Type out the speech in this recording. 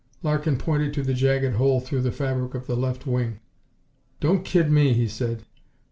Larkin pointed to the jagged hole through the fabric of the left wing. "Don't kid me!" he said.